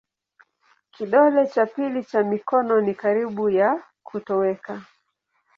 Kidole cha pili cha mikono ni karibu ya kutoweka.